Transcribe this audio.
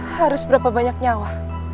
harus berapa banyak nyawa